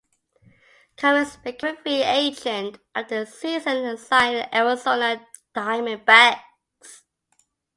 Cummings became a free agent after the season and signed with the Arizona Diamondbacks.